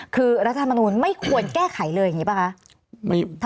คือรัฐธรรมนูลไม่ควรแก้ไขเลยอย่างนี้ป่ะคะ